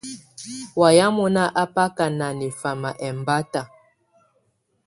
Wayɛ̀á mɔnà á bakà ná nɛfama ɛmbata.